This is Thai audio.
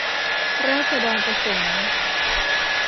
ราษฎรประสงค์